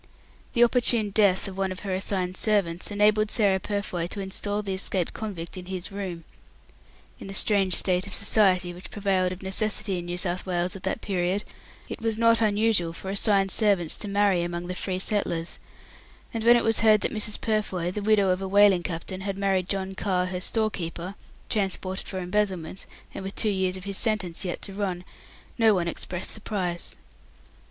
The opportune death of one of her assigned servants enabled Sarah Purfoy to instal the escaped convict in his room. In the strange state of society which prevailed of necessity in New South Wales at that period, it was not unusual for assigned servants to marry among the free settlers, and when it was heard that Mrs. Purfoy, the widow of a whaling captain, had married John Carr, her storekeeper, transported for embezzlement, and with two years of his sentence yet to run, no one expressed surprise.